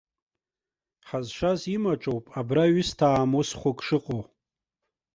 Ҳазшаз имаҿоуп, абра ҩысҭаа мусхәык шыҟоу!